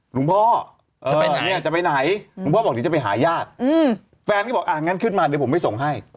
หลวงพ่อจะไปไหนจะไปไหนหลวงพ่อบอกเดี๋ยวจะไปหาญาติแฟนก็บอกอ่ะงั้นขึ้นมาเดี๋ยวผมไปส่งให้